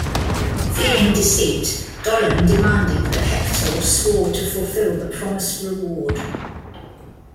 Fearing deceit, Dolon demanded that Hector swore to fulfill the promised reward.